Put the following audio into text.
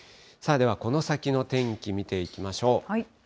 ではこの先の天気、見ていきましょう。